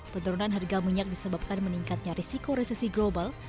penurunan harga minyak disebabkan meningkatnya risiko resesi global